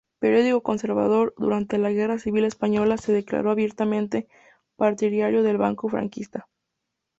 Periódico conservador, durante la Guerra Civil Española se declaró abiertamente partidario del bando franquista.